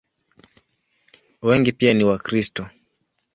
Wengi pia ni Wakristo.